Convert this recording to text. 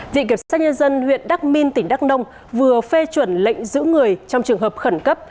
viện kiểm soát nhân dân huyện đắc minh tỉnh đắk nông vừa phê chuẩn lệnh giữ người trong trường hợp khẩn cấp